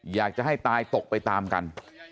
อยากจะให้ตายตกไปตามกัน